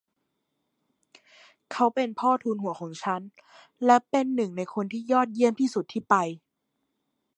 เขาเป็นพ่อทูนหัวของฉัน และเป็นหนึ่งในคนที่ยอดเยี่ยมที่สุดที่ไป